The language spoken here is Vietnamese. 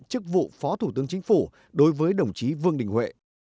chức vụ phó thủ tướng chính phủ đối với đồng chí vương đình huệ